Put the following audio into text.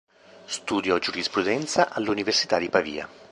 Studiò giurisprudenza all'Università di Pavia.